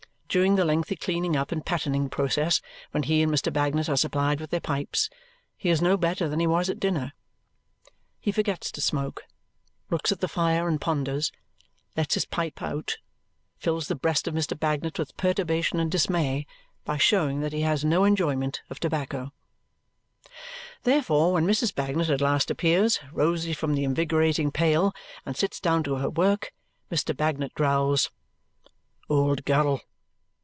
During the lengthy cleaning up and pattening process, when he and Mr. Bagnet are supplied with their pipes, he is no better than he was at dinner. He forgets to smoke, looks at the fire and ponders, lets his pipe out, fills the breast of Mr. Bagnet with perturbation and dismay by showing that he has no enjoyment of tobacco. Therefore when Mrs. Bagnet at last appears, rosy from the invigorating pail, and sits down to her work, Mr. Bagnet growls, "Old girl!"